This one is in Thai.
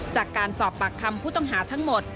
จากการสอบปากคำผู้ต้องหาทั้งหมด